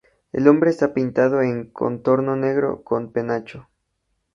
El hombre está pintado en contorno negro, con un penacho.